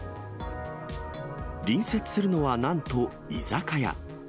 隣接するのはなんと居酒屋。